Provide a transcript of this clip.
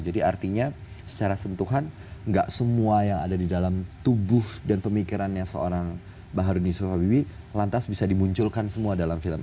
jadi artinya secara sentuhan gak semua yang ada di dalam tubuh dan pemikirannya seorang baharuni soefa bibi lantas bisa dimunculkan semua dalam film